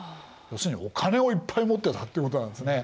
要するにお金をいっぱい持ってたってことなんですね。